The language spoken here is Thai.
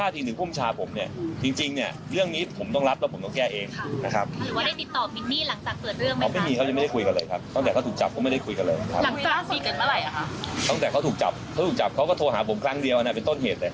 ตั้งแต่เขาถูกจับเขาก็โทรหาผมครั้งเดียวอันนั้นเป็นต้นเหตุ